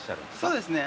そうですね。